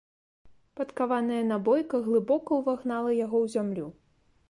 Падкаваная набойка глыбока ўвагнала яго ў зямлю.